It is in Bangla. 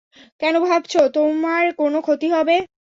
কেন ভাবছ তোমার কোনও ক্ষতি হবে?